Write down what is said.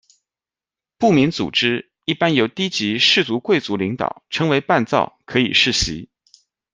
部民组织一般由低级氏族贵族领导，称为伴造，可以世袭。